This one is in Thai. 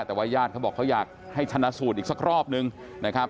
แต่ว่าญาติเขาบอกเขาอยากให้ชนะสูตรอีกสักรอบนึงนะครับ